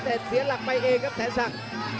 แต่เสียหลักไปเองครับแสนศักดิ์